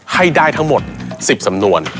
ให้ได้ทั้งหมด๑๐สำนวน